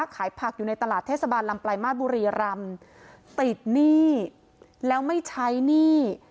ขายผักอยู่ในตลาดเทศบาลลำปลายมาสบุรีรำติดหนี้แล้วไม่ใช้หนี้